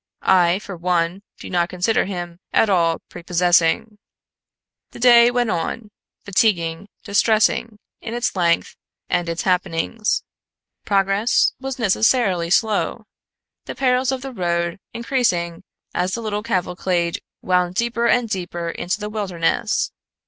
"I, for one, do not consider him at all prepossessing." The day went on, fatiguing, distressing in its length and its happenings. Progress was necessarily slow, the perils of the road increasing as the little cavalcade wound deeper and deeper into the wilderness.